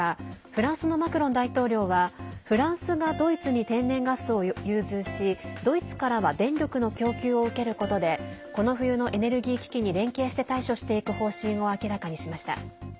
フランスのマクロン大統領はフランスがドイツに天然ガスを融通しドイツからは電力の供給を受けることでこの冬のエネルギー危機に連携して対処していく方針を明らかにしました。